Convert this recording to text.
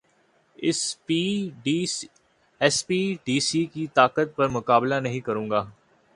S P, D C کی طاقت پر مقابلہ نہیں کروں گا